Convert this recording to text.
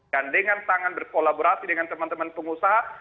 dan dengan tangan berkolaborasi dengan teman teman pengusaha